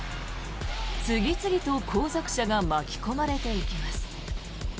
次々と後続車が巻き込まれていきます。